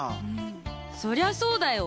そりゃそうだよ